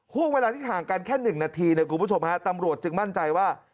ห่วงเวลาที่ห่างกันแค่๑นาทีเนี่ยคุณผู้ชมฮะตำรวจจึงมั่นใจว่า